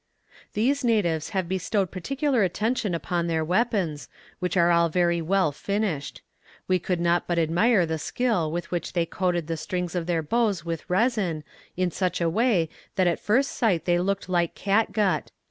"These natives have bestowed particular attention upon their weapons, which are very well finished. We could not but admire the skill with which they coated the strings of their bows with resin, in such a way that at first sight they looked like catgut.